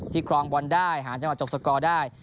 ที่คลองบนได้หาจำนวนจบสกรอก็ได้